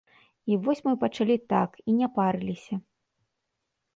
І вось мы пачалі так, і не парыліся.